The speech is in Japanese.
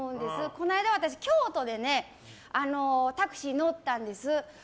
この間、私京都でタクシー乗ったんです。